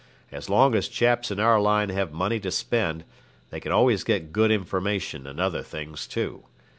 As long as chaps in our line have money to spend, they can always get good information and other things, too.